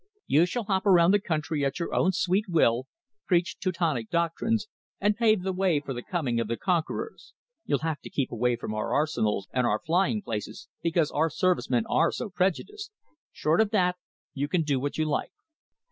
You shall hop around the country at your own sweet will, preach Teutonic doctrines, and pave the way for the coming of the conquerors. You'll have to keep away from our arsenals and our flying places, because our Service men are so prejudiced. Short of that you can do what you like."